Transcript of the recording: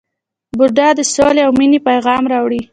بودا د سولې او مینې پیغام راوړ.